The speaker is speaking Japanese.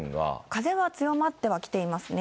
風は強まってはきていますね。